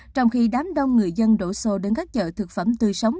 trong khi đám đông người dân đổ xô đến các chợ thực phẩm tươi sống